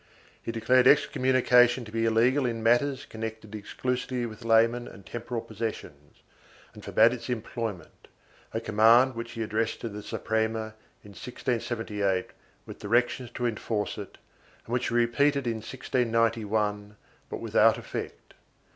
He declared excommunication to be illegal in matters connected exclusively with laymen and temporal possessions, and forbade its employ ment, a command which he addresed to the Suprema in 1678 with directions to enforce it and which he repeated in 1691, but without effect.